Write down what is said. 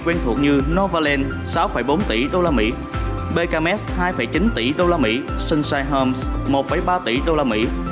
quen thuộc như novaland sáu bốn tỷ đô la mỹ bkms hai chín tỷ đô la mỹ sunshine homes một ba tỷ đô la mỹ